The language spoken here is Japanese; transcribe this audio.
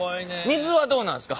水はどうなんすか？